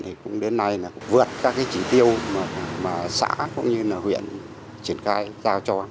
thì cũng đến nay là cũng vượt các cái chỉ tiêu mà xã cũng như là huyện triển khai giao cho